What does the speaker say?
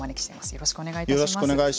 よろしくお願いします。